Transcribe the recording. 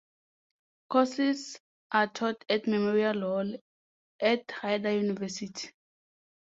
Courses are taught at Memorial Hall at Rider University.